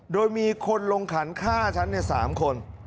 โดยมีคนลงขันฆ่าฉัน๓คน